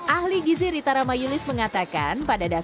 ahli gizi ritarama yulis mengatakan